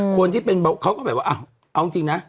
เขาก็แบบว่าเอาจริงนะ